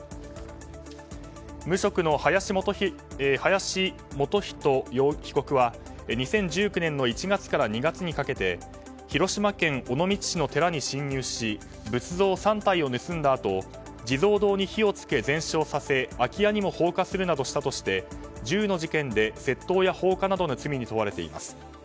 無職の林基史被告は２０１９年の１月から２月にかけて広島県尾道市の寺に侵入し仏像３体を盗んだあと地蔵堂に火を付け全焼させ空き家にも放火するなどしたとして１０の事件で窃盗や放火などの罪に問われています。